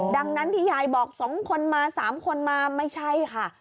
ดังนั้นที่ยายบอก๒คนมา๓คนมาไม่ใช่ค่ะ